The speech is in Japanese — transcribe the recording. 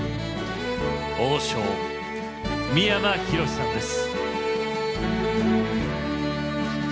「王将」三山ひろしさんです。